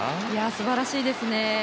すばらしいですね。